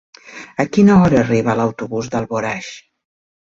A quina hora arriba l'autobús d'Alboraig?